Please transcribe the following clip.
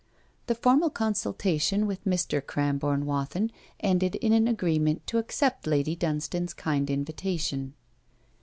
The formal consultation with Mr. Cramborne Wathin ended in an agreement to accept Lady Dunstane's kind invitation.